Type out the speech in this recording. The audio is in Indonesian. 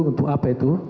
untuk apa itu